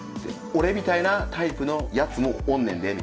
「俺みたいなタイプのやつもおんねんで」みたいな。